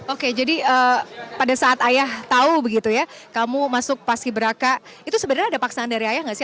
oke jadi pada saat ayah tahu begitu ya kamu masuk paski beraka itu sebenarnya ada paksaan dari ayah gak sih